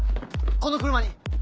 この車に。